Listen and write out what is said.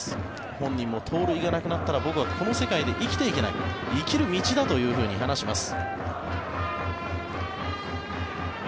本人も盗塁がなくなったら僕はこの世界で生きていけない生きる道だと話します。